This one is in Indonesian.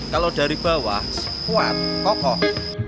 kalau dari bawah kuat kokoh